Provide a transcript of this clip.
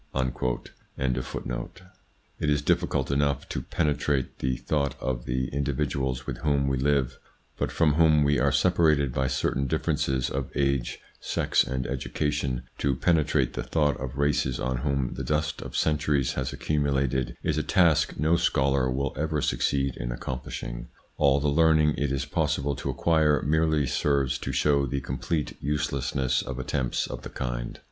ITS INFLUENCE ON THEIR EVOLUTION 95 individuals with whom we live, but from whom we are separated by certain differences of age, sex, and education ; to penetrate the thought of races on whom the dust of centuries has accumulated is a task no scholar will ever succeed in accomplishing. All the learning it is possible to acquire merely serves to show the complete uselessness of attempts of the kind.